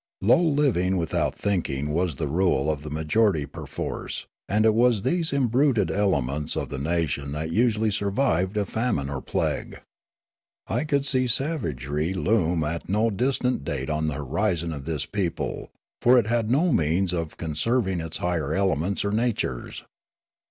Low living without any thinking was the rule of the majority perforce ; and it was these embruted elements of the nation that usually survived a famine or plague. I could see savagery loom at no 176 Riallaro distant date on the horizon of this people, for it had no means of conserving its higher elements or natures.